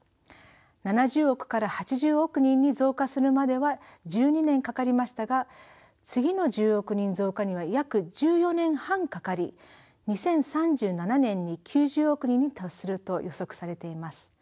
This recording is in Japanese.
７０億から８０億人に増加するまでは１２年かかりましたが次の１０億人増加には約１４年半かかり２０３７年に９０億人に達すると予測されています。